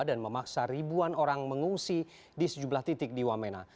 dan memaksa ribuan orang mengungsi di sejumlah titik di wamena